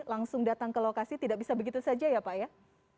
langsung datang ke lokasi tidak bisa begitu saja ya pak ya